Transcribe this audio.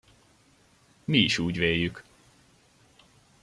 Mi is úgy véljük!